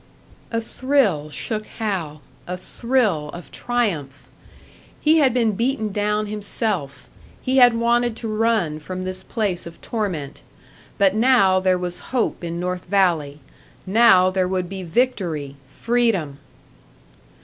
A thrill shook Hal a thrill of triumph! He had been beaten down himself, he had wanted to run from this place of torment; but now there was hope in North Valley now there would be victory, freedom!